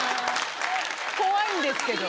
怖いんですけど。